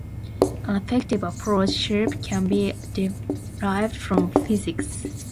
An effective approach shape can be derived from physics.